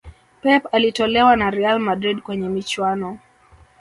Pep alitolewa na Real Madrid kwenye michuano